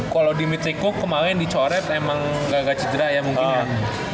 kalau dimitri cook kemarin dicoret emang agak cedera ya mungkin ya